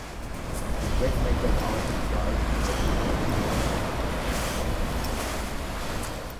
The Brickmakers Arms Yard was overlooked by cottages no.